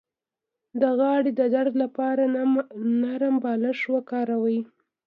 د غاړې د درد لپاره نرم بالښت وکاروئ